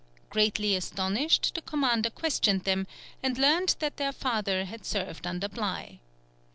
Greatly astonished, the commander questioned them, and learnt that their father had served under Bligh.